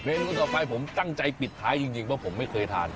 นูต่อไปผมตั้งใจปิดท้ายจริงเพราะผมไม่เคยทาน